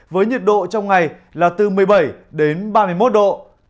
với nhiệt độ trong ngày là từ một mươi bảy đến ba mươi một độ